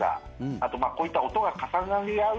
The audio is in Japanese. あとこういった音が重なり合う